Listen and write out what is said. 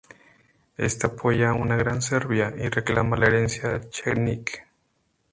Éste apoya una Gran Serbia y reclama la herencia chetnik.